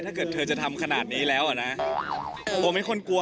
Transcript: ถ้าเกิดจะทำขนาดนี้แล้ว